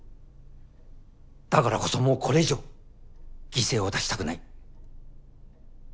だからこそもうこれ以上犠牲を出したくない。